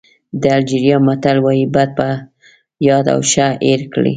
د الجېریا متل وایي بد په یاد او ښه هېر کړئ.